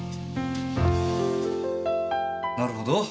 なるほど。